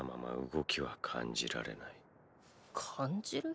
感じる？